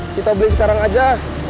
kita beli sekarang aja